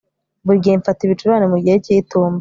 Buri gihe mfata ibicurane mu gihe cyitumba